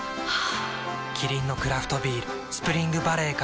キリンのクラフトビール「スプリングバレー」から